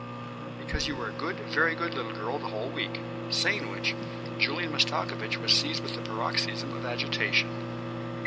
"Because you were a good, very good little girl the whole week." Saying which, Julian Mastakovich was seized with a paroxysm of agitation.